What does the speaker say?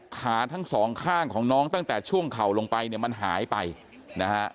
ขาทั้งสองข้างของน้องตั้งแต่ช่วงเข่าลงไปเนี่ยมันหายไปนะฮะ